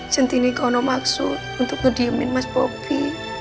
centini ga ada maksud untuk ngediamin mas bobby